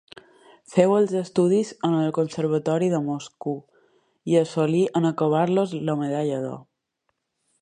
Féu els estudis en el Conservatori de Moscou, i assolí en acabar-los la medalla d'or.